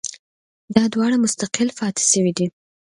دا دواړه مستقل پاتې شوي دي